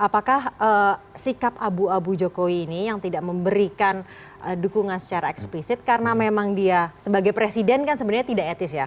apakah sikap abu abu jokowi ini yang tidak memberikan dukungan secara eksplisit karena memang dia sebagai presiden kan sebenarnya tidak etis ya